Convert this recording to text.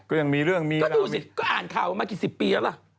ก็ยังมีเรื่องมีก็ดูสิก็อ่านข่าวมากี่สิบปีแล้วล่ะ